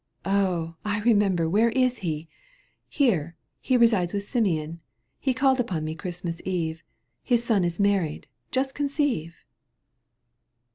'' "Oh! I remember, where is he ?'—" Here, he resides with Simeon. He called upon me Christmas Eve — His son is married, just conceive